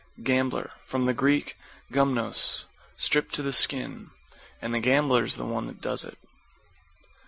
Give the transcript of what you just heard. =GAMBLER= From the Grk. gumnos, stripped to the skin. And the gambler's the one that does it.